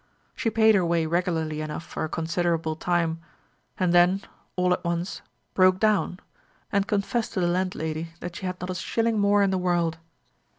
She paid her way regularly enough for a considerable time, and then all at once broke down, and confessed to the landlady that she had not a shilling more in the world.